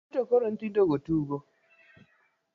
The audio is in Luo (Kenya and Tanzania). Mano to koro nyithindo tugo?